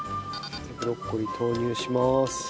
ブロッコリー投入します。